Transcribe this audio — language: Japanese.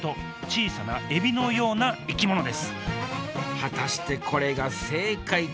果たしてこれが正解か？